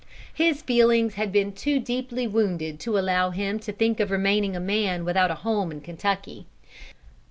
His feelings had been too deeply wounded to allow him to think of remaining a man without a home in Kentucky.